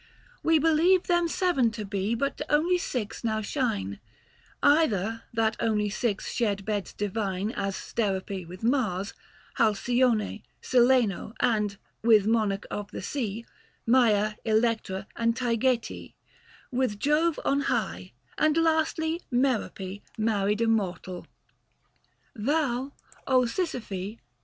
We believe Them seven to be, but only six now shine ; Either, that only six shared beds divine As Sterope with Mars ; Halcyone Celaeno and, with Monarch of the sea, 190 Maia, Electra, and Taygete With Jove on high ; and lastly Merope Married a mortal, — thou, Sisyphe, 108 THE FASTI. Book IV.